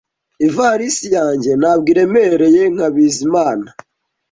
Ivalisi yanjye ntabwo iremereye nka Bizimana